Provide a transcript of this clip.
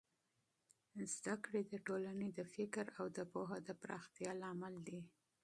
تعليم د ټولنې د فکر او پوهه د پراختیا لامل دی.